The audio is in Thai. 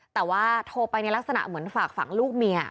แต่ว่าโทรไปในลักษณะเหมือนฝากฝังลูกเมีย